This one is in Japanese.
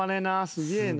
すげえな。